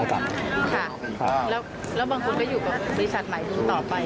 ค่ะแล้วบางคนก็อยู่กับบริษัทใหม่ต่อไป